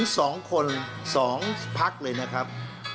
สองคนสองพักเลยนะครับ